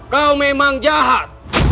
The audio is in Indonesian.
kau memang jahat